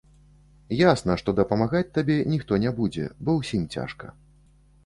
Ясна, што дапамагаць табе ніхто не будзе, бо ўсім цяжка.